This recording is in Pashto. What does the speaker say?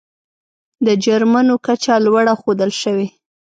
د جرمونو کچه لوړه ښودل شوې.